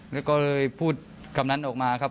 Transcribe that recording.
แล้วก็เลยพูดคำนั้นออกมาครับ